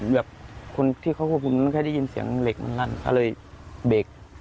แบบคนที่เขาควบคุมมันแค่ได้ยินเสียงเหล็กมันลั่นก็เลยเบรก